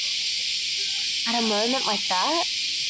At a moment like that?